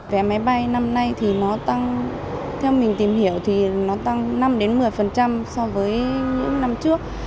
vé máy bay năm nay thì nó tăng theo mình tìm hiểu thì nó tăng năm một mươi so với những năm trước